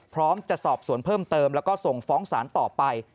พร้อมจะสอบสวนเพิ่มเติมแล้วก็ส่งฟ้องศาลต่อไป